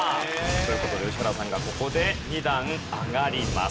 という事で宇治原さんがここで２段上がります。